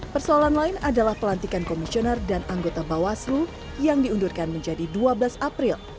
persoalan lain adalah pelantikan komisioner dan anggota bawaslu yang diundurkan menjadi dua belas april